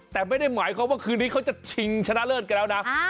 แต่ไม่ได้หมายความว่าคืนนี้เขาจะชิงชนะเลิศกันแล้วนะ